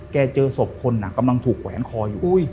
เจอศพคนกำลังถูกแขวนคออยู่